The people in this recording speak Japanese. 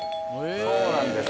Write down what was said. そうなんです。